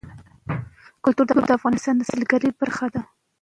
کلتور د افغانستان د سیلګرۍ برخه ده.